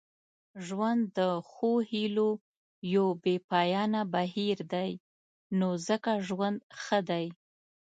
ژوند د ښو هیلو یو بې پایانه بهیر دی نو ځکه ژوند ښه دی.